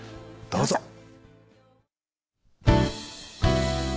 どうぞ。